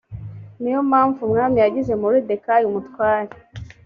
niyo mpamvu umwami yagize moridekayi umutware